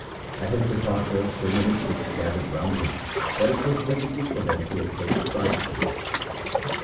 At his departure so many Sikhs gathered round him that it was difficult for them to obtain a sight of him.